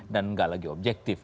dan gak lagi objektif